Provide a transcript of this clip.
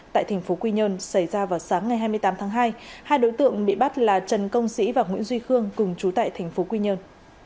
tại thành phố quy nhơn xảy ra vào sáng ngày hai mươi tám tháng hai hai đối tượng bị bắt là trần công sĩ và nguyễn duy khương cùng chú tại tp quy nhơn